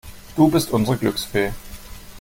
Du bist unsere Glücksfee.